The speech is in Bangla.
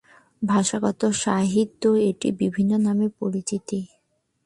ভাষাগত সাহিত্যে এটি বিভিন্ন নামে পরিচিত।